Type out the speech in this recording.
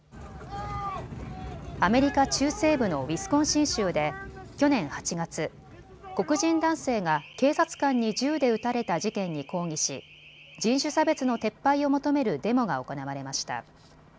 アメリカ中西部のウィスコンシン州で去年８月、黒人男性が警察官に銃で撃たれた事件に抗議し人種差別の撤廃を求めるデモが行われました。